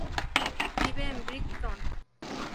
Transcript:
Vive en Brighton.